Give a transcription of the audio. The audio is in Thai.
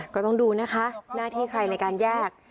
ก็ต้องดูนะคะหน้าที่ใครในการแยก